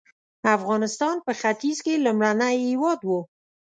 افغانستان په ختیځ کې لومړنی هېواد و.